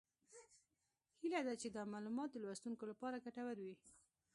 هیله ده چې دا معلومات د لوستونکو لپاره ګټور وي